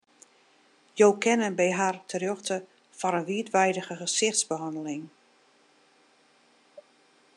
Jo kinne by har terjochte foar in wiidweidige gesichtsbehanneling.